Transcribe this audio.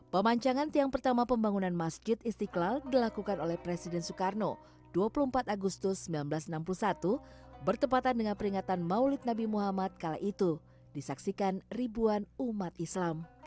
pemancangan tiang pertama pembangunan masjid istiqlal dilakukan oleh presiden soekarno dua puluh empat agustus seribu sembilan ratus enam puluh satu bertepatan dengan peringatan maulid nabi muhammad kala itu disaksikan ribuan umat islam